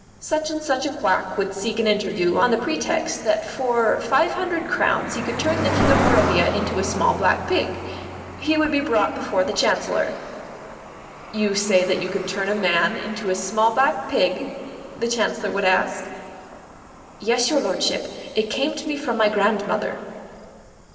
Such and such a quack would seek an interview on the pretext that for five hundred crowns he could turn the King of Barodia into a small black pig. He would be brought before the Chancellor. "You say that you can turn a man into a small black pig?" the Chancellor would ask. "Yes, your lordship. It came to me from my grandmother."